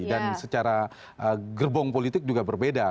dan secara gerbong politik juga berbeda